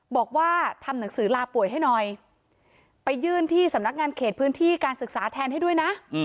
บอกว่าทำหนังสือลาป่วยให้หน่อยไปยื่นที่สำนักงานเขตพื้นที่การศึกษาแทนให้ด้วยนะ